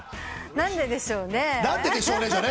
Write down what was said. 「何ででしょうね？」